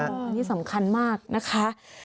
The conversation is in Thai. อันนี้สำคัญมากนะคะ